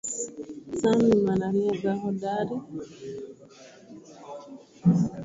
Sam ni mwanariadha hodari